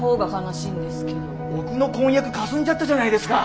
僕の婚約かすんじゃったじゃないですか。